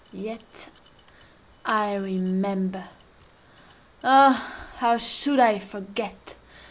Yet I remember—ah! how should I forget?